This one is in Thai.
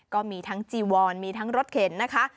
ก็มีทั้งจีวอนมีทั้งรถเข็นนะคะ